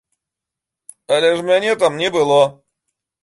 Але ж мяне там не было.